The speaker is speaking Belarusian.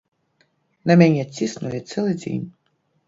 На мяне ціснулі цэлы дзень.